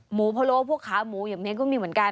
พะโลพวกขาหมูอย่างนี้ก็มีเหมือนกัน